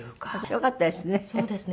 よかったですね。